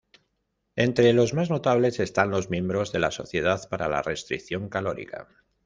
Entre los más notables están los miembros de la Sociedad para la Restricción Calórica.